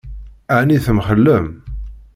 Ɛni temxellem?